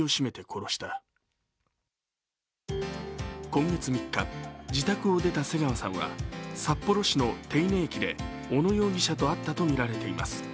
今月３日、自宅を出た瀬川さんは札幌市の手稲駅で小野容疑者と会ったとみられています。